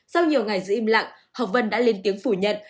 sau nhiều ngày giữ im lặng học vân đã lên tiếng phủ nhận